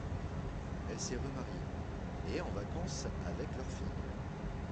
Elle s'est remariée, et est en vacances avec leur fille.